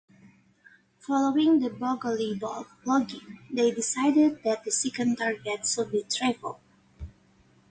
Following the Bogolyubov flogging, they decided that the second target should be Trepov.